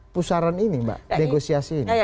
pusaran ini mbak negosiasi ini